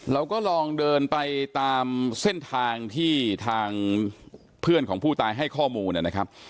เราก็ลองเดินไปตามเส้นทางที่ทางเพื่อนของผู้ตายให้ข้อมูลนะครับ